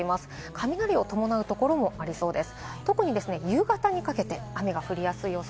雷を伴うところもありそうです。